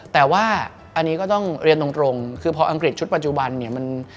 แต่ว่าอันนี้ก็ต้องเรียนตรงคือพออังกฤษชุดปัจจุบันเนี่ยมัน